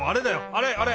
あれあれ！